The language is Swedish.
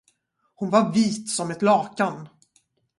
Hon var vit som ett lakan.